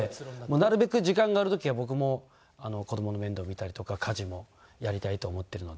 なるべく時間がある時は僕も子供の面倒見たりとか家事もやりたいと思ってるので。